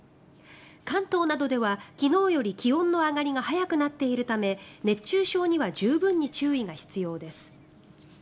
関東などでは昨日より気温の上がりが早くなっているため熱中症には十分に注意が必要です。